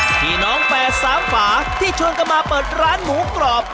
พี่น้องแฝดสามฝาที่ชวนกันมาเปิดร้านหมูกรอบ